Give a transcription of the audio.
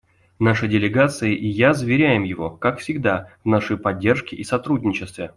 Наша делегация и я заверяем его, как всегда, в нашей поддержке и сотрудничестве.